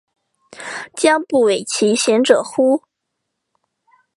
将不讳其嫌者乎？